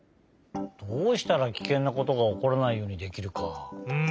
どうしたらキケンなことがおこらないようにできるか。